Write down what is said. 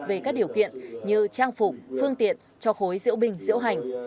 về các điều kiện như trang phục phương tiện cho khối diễu binh diễu hành